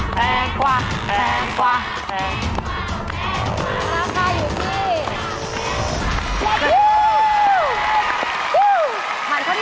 แพงกว่าแพงกว่า